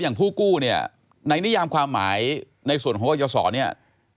อย่างผู้กู้เนี่ยในนิยามความหมายในส่วนของพวกเยาสรเนี่ย